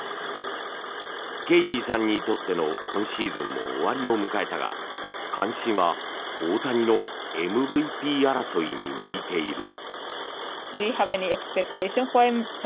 ケイリーさんにとっての今シーズンも終わりを迎えたが関心は大谷のＭＶＰ争いに向いている。